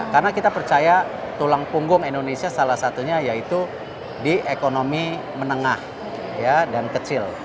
karena kita percaya tulang punggung indonesia salah satunya yaitu di ekonomi menengah dan kecil